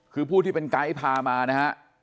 คือผู้ที่เป็นไกด์พามานะฮะ